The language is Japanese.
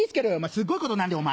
すっごいことになるでお前。